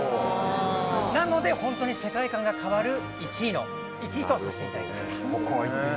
なので、本当に世界観が変わる１位とさせていただきました。